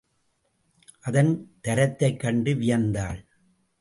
அதன் தரத்தைக் கண்டு வியந்தாள்.